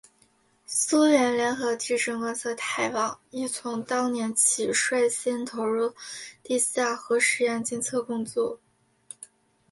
苏联联合地震观测台网亦从当年起率先投入地下核试验监测工作。